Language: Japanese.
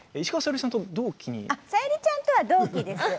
さゆりちゃんとは同期です。